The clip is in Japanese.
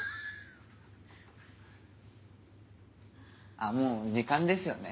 あっもう時間ですよね。